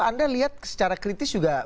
anda lihat secara kritis juga